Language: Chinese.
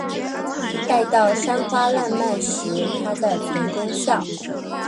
待到山花烂漫时，她在丛中笑。